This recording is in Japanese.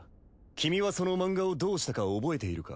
君はその漫画をどうしたか覚えているか？